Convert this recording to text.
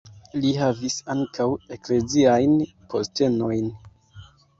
Li havis ankaŭ ekleziajn postenojn.